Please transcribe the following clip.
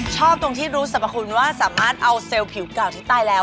ชอบตรงที่รู้สมควรว่าสามารถเอาเซลล์ผิวกล่าวที่ตายแล้ว